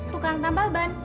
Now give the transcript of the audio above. tukang tambal ban